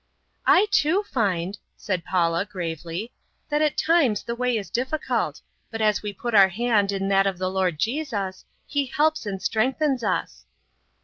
"I too find," said Paula gravely, "that at times the way is difficult, but as we put our hand in that of the Lord Jesus, He helps and strengthens us."